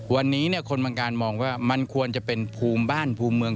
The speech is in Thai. วันนี้คนบังการมองว่ามันควรจะเป็นภูมิบ้านภูมิเมือง